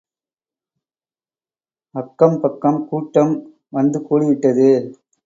அக்கம் பக்கம் கூட்டம் வந்து கூடிவிட்டது.